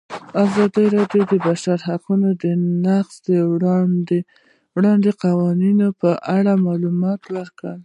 ازادي راډیو د د بشري حقونو نقض د اړونده قوانینو په اړه معلومات ورکړي.